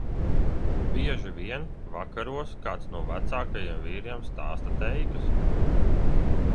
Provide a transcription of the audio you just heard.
Bieži vien vakaros kāds no vecākajiem vīriem stāsta teikas.